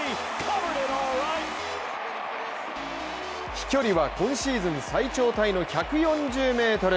飛距離は今シーズン最長タイの１４０ｍ。